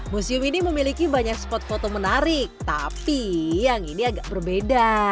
museum ini memiliki banyak spot foto menarik tapi yang ini agak berbeda